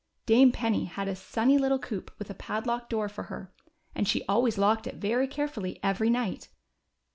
Dame Penny had a sunny little coop with a padlocked door for her, and she always locked it very carefully every night.